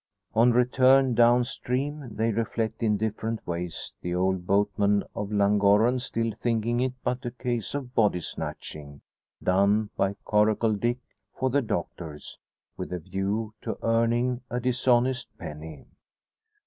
On return down stream they reflect in different ways; the old boatman of Llangorren still thinking it but a case of body snatching, done by Coracle Dick, for the doctors with a view to earning a dishonest penny.